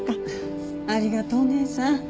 ありがとう姉さん。